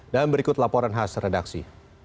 dan berikut laporan khas redaksi